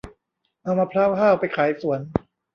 เอามะพร้าวห้าวไปขายสวน